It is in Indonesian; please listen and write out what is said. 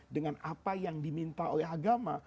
dengan apa yang diminta oleh agama